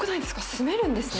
住めるんですね。